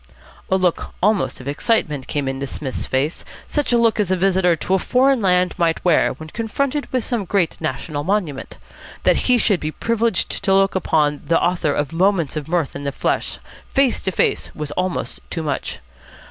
'" A look almost of excitement came into Psmith's face, such a look as a visitor to a foreign land might wear when confronted with some great national monument. That he should be privileged to look upon the author of "Moments of Mirth" in the flesh, face to face, was almost too much.